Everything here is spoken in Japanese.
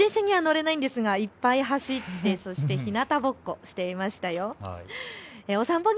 しゅと犬くんは自転車には乗れないですが、いっぱい走ってそしてひなたぼっこしていました。